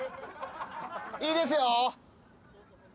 いいですよ。